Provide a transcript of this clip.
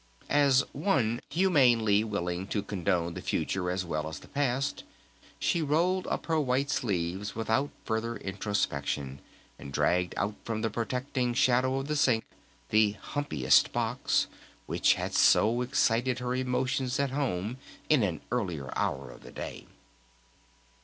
As one humanely willing to condone the future as well as the past she rolled up her white sleeves without further introspection, and dragged out from the protecting shadow of the sink the "humpiest box" which had so excited her emotions at home in an earlier hour of the day.